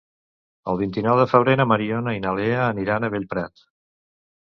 El vint-i-nou de febrer na Mariona i na Lea aniran a Bellprat.